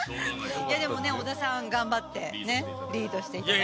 でもね、小田さん頑張ってリードしていただいて。